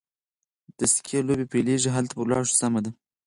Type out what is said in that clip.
د سکې لوبې پیلېږي، هلته به ولاړ شو، سمه ده.